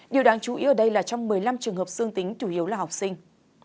điều đáng chú ý ở đây là trong một mươi năm trường hợp dương tính chủ yếu là học sinh